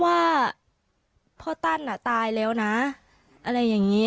ว่าพ่อตั้นอ่ะตายแล้วนะอะไรอย่างนี้